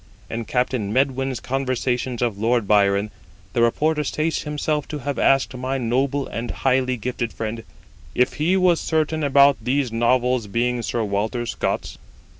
In Captain Medwyn's Conversations of Lord Byron the reporter states himself to have asked my noble and highly gifted friend,' If he was certain about these Novels being Sir Walter Scott's?'